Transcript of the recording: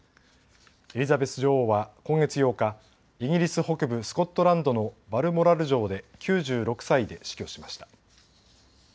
エリザベス女王は今月８日、イギリス北部スコットランドのバルモラル城で９６歳で死去しました。